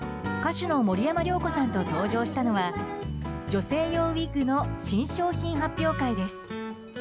歌手の森山良子さんと登場したのは女性用ウィッグの新商品発表会です。